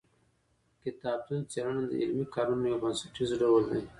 کتابتون څېړنه د علمي کارونو یو بنسټیز ډول دئ.